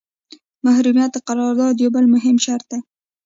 محرمیت د قرارداد یو بل مهم شرط دی.